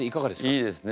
いいですね。